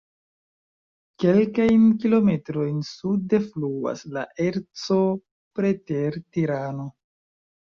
Kelkajn kilometrojn sude fluas la Erco preter Tirano.